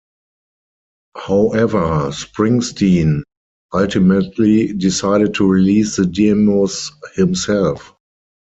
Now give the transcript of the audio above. However, Springsteen ultimately decided to release the demos himself.